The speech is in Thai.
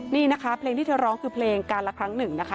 นี่นะคะเพลงที่เธอร้องคือเพลงการละครั้งหนึ่งนะคะ